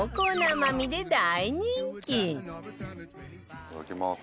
いただきます。